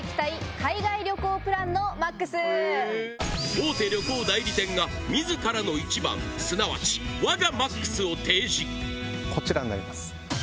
大手旅行代理店が自らの１番すなわち我がＭＡＸを提示こちらになります。